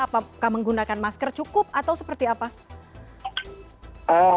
apakah menggunakan masker cukup atau seperti apa